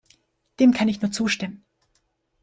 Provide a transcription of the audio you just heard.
Dem kann ich nur zustimmen.